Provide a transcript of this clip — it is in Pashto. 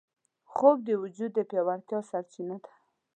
خوب د وجود د پیاوړتیا سرچینه ده